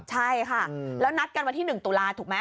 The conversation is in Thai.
ใช่ค่ะแล้วนัดกันวันที่๑ตุลาถูกไหม